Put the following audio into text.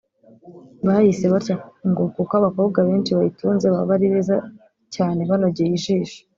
bayise batya ngo kuko abakobwa benshi bayitunze baba ari beza cyane banogeye ijisho